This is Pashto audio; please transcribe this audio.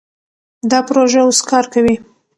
دا پروژه اوس کار کوي.